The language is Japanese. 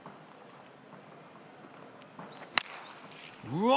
うわ！